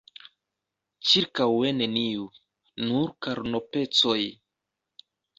Ĉirkaŭe neniu: nur karnopecoj.